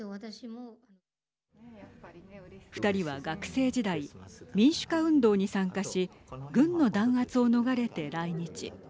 ２人は学生時代民主化運動に参加し軍の弾圧を逃れて来日。